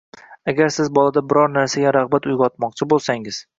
Agar siz bolada biron narsaga rag‘bat uyg‘otmoqchi bo‘lsangiz